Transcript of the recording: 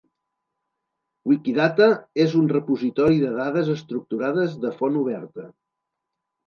Wikidata és un repositori de dades estructurades de font oberta.